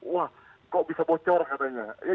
wah kok bisa bocor katanya